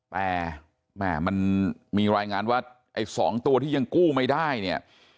แต่แม่มันมีรายงานว่าไอ้๒ตัวที่ยังกู้ไม่ได้เนี่ย